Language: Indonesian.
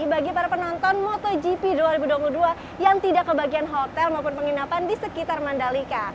bagi para penonton motogp dua ribu dua puluh dua yang tidak kebagian hotel maupun penginapan di sekitar mandalika